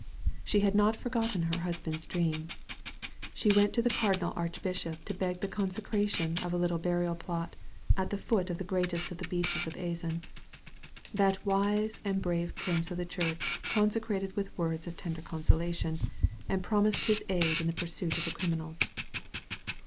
She had not forgotten her 64 A SANCTUARY OF TREES. husband's dream. She went to the cardinal arch bishop to beg the consecration of a little burial plot at the foot of the greatest of the beeches of Azan. That wise and brave prince of the church consented with words of tender consolation, and promised his aid in the pursuit of the criminals.